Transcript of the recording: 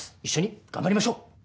一緒に頑張りましょう！